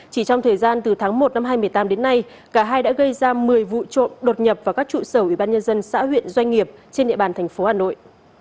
chỉ trong thời gian từ tháng một năm hai nghìn một mươi tám đến nay cả hai đã gây ra một mươi vụ trộm đột nhập vào các trụ sở ủy ban nhân dân xã huyện doanh nghiệp trên địa bàn thành phố hà nội